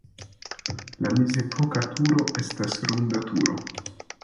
La mezepoka turo estas ronda turo.